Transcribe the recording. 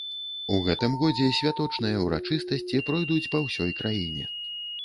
У гэтым годзе святочныя ўрачыстасці пойдуць па ўсёй краіне.